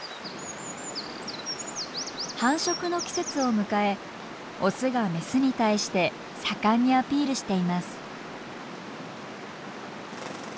繁殖の季節を迎えオスがメスに対して盛んにアピールしています。